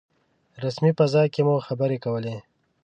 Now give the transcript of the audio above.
رسمي فضا کې مو خبرې کولې.